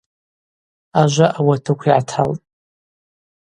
Ажва ауатыкв йгӏаталтӏ.